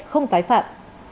không tái phạm